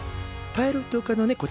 パイロット科のねこ